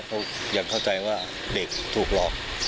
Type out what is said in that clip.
เพราะยังเข้าใจว่าเด็กถูกหลอก